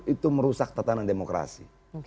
itu merusak tatanan demokrasi